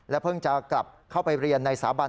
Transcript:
เพิ่งจะกลับเข้าไปเรียนในสาบัน